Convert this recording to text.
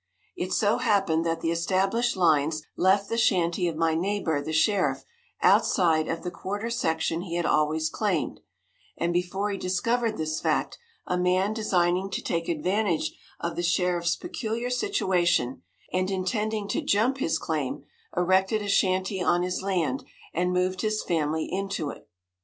It so happened that the established lines left the shanty of my neighbor, the sheriff, outside of the quarter section he had always claimed, and before he discovered this fact, a man designing to take advantage of the sheriff's peculiar situation, and intending to jump his claim, erected a shanty on his land and moved his family into it.